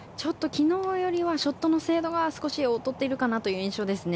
昨日よりはショットの精度が劣っているかなという印象ですね。